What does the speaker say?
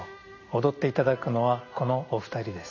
踊っていただくのはこのお二人です。